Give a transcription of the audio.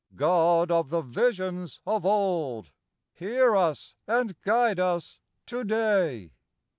God of the visions of old, Hear us and guide us today.